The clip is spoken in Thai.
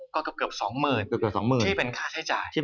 ก็กับเกือบ๒๐๐๐๐บาท